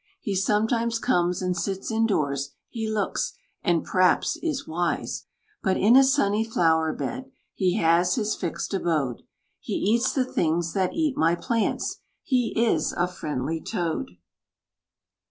He sometimes comes and sits indoors; He looks and p'r'aps is wise. But in a sunny flower bed He has his fixed abode; He eats the things that eat my plants He is a friendly TOAD.